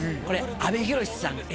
これ阿部寛さん